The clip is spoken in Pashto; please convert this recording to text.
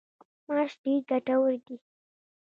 ماش ډیر ګټور دي.